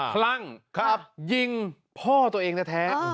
คลั่งยิงพ่อตัวเองแท้